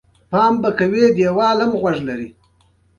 د ملت د مشرتابه راتلونکی د ځوانانو په لاس کي دی.